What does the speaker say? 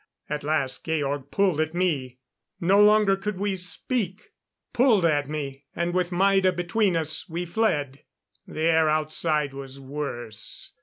At last Georg pulled at me no longer could we speak pulled at me, and with Maida between us, we fled. The air outside was worse.